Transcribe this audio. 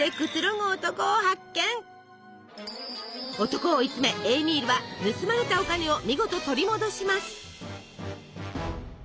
男を追い詰めエーミールは盗まれたお金を見事取り戻します。